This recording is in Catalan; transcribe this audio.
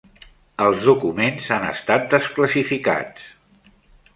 Els documents han estat desclassificats